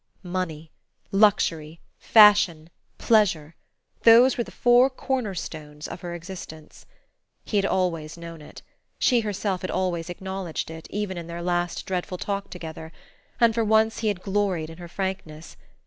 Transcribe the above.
Money, luxury, fashion, pleasure: those were the four cornerstones of her existence. He had always known it she herself had always acknowledged it, even in their last dreadful talk together; and once he had gloried in her frankness.